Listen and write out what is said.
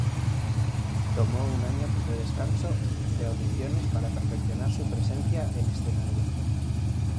Tomó un año de descanso de audiciones para perfeccionar su presencia en escenario.